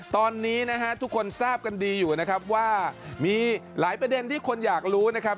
ตอนนี้นะฮะทุกคนทราบกันดีอยู่นะครับว่ามีหลายประเด็นที่คนอยากรู้นะครับ